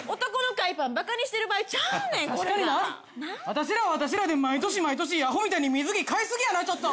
私らは私らで毎年毎年アホみたいに水着買いすぎやなちょっと。